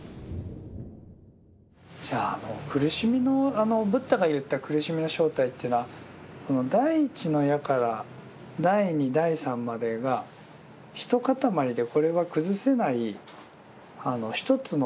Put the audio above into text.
じゃああの苦しみのブッダが言った苦しみの正体っていうのは第一の矢から第二第三までが一塊でこれは崩せない一つの矢なんだって思い込んでる。